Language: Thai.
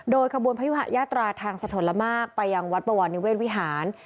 ขบวนพยุหะยาตราทางสะทนละมากไปยังวัดบวรนิเวศวิหาร